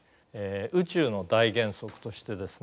宇宙の大原則としてですね